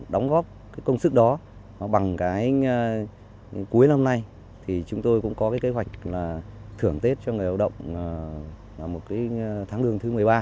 đóng góp cái công sức đó bằng cái cuối năm nay thì chúng tôi cũng có cái kế hoạch là thưởng tết cho người lao động một cái tháng lương thứ một mươi ba